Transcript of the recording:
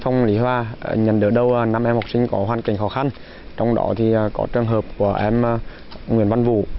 nhân đứa đầu năm em học sinh có hoàn cảnh khó khăn trong đó có trường hợp của em nguyễn văn vũ